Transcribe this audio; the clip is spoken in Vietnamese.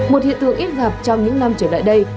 một hiện tượng ít gặp trong những năm trở lại đây